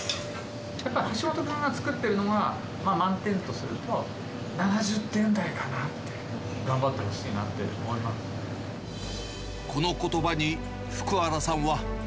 やっぱ橋本君が作ってるのが満点とすると、７０点台かなって、このことばに、福原さんは。